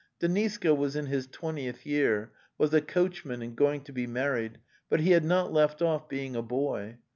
De niska was in his twentieth year, was a coachman and going to be married, but he had not left off being a boy.